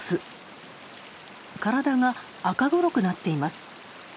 体が赤黒くなっています。